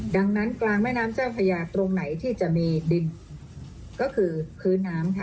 ดังนั้นกลางแม่น้ำเจ้าพระยาตรงไหนที่จะมีดินก็คือพื้นน้ำค่ะ